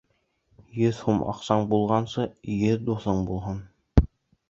Йөҙ һум аҡсаң булғансы, йөҙ дуҫың булһын.